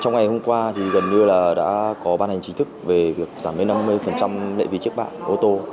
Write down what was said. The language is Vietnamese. trong ngày hôm qua thì gần như là đã có ban hành chính thức về việc giảm đến năm mươi lệ phí trước bạ ô tô